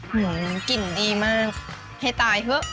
เหมือนกลิ่นดีมากให้ตายเถอะ